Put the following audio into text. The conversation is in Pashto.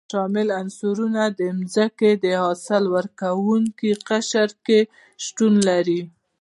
شامل عنصرونه د ځمکې په حاصل ورکوونکي قشر کې شتون لري.